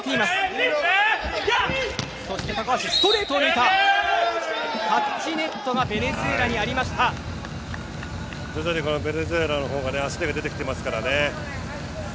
徐々にベネズエラのほうが焦りが出ていますからね。